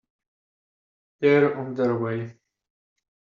They're on their way.